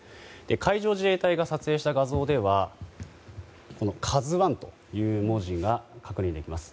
海上自衛隊が撮影した画像では「ＫＡＺＵ１」という文字が確認できます。